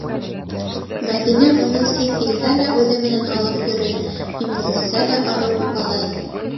Мәҙинә уны сит илгә лә үҙе менән алып йөрөй, инглизсә лә арыу һупалай.